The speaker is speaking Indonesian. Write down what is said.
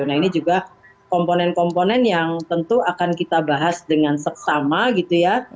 nah ini juga komponen komponen yang tentu akan kita bahas dengan seksama gitu ya